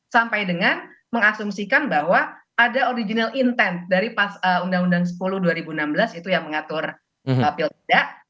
sampai dengan mengasumsikan bahwa ada original intent dari undang undang sepuluh dua ribu enam belas itu yang mengatur pilkada